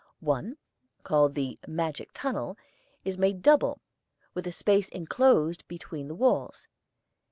One, called the magic tunnel, is made double, with a space inclosed between the walls.